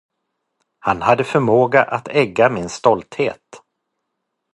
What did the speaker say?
Han hade förmågan att egga min stolthet.